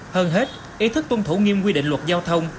hơn hết ý thức tuân thủ nghiêm quy định luật giao thông